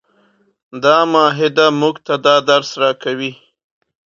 دا معاهده موږ ته دا درس راکوي.